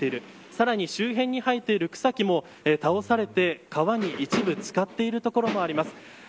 さらに周辺に生えている草木も倒されて川に一部漬かっている所もあります。